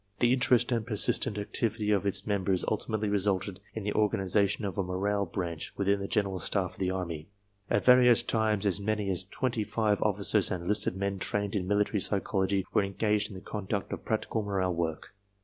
The interest and persistent activity of its members ultimately resulted in the organization of a Morale Branch within the General Staff of the Army. At various times as many as twenty five officers and enlisted men trained in military psychology were engaged in the conduct of practical • morale work.